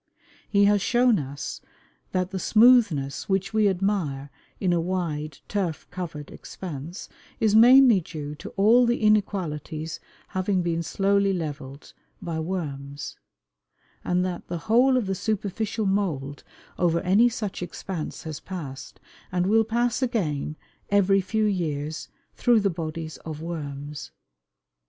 He has shown us that the smoothness which we admire in a wide, turf covered expanse "is mainly due to all the inequalities having been slowly leveled by worms," and that "the whole of the superficial mould over any such expanse has passed, and will pass again, every few years, through the bodies of worms!"